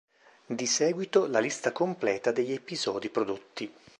Di seguito la lista completa degli episodi prodotti.